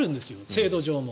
制度上も。